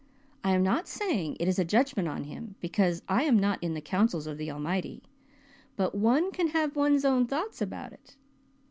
I am not saying it is a judgment on him, because I am not in the counsels of the Almighty, but one can have one's own thoughts about it.